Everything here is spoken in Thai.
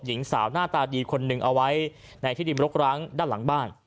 หญิงสาวหน้าตาดีคนหนึ่งเอาไว้ในที่ดินรกร้างด้านหลังบ้าน